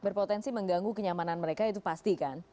berpotensi mengganggu kenyamanan mereka itu pasti kan